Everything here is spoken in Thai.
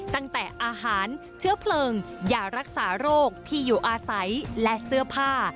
ตั้งแต่อาหารเชื้อเพลิงยารักษาโรคที่อยู่อาศัยและเสื้อผ้า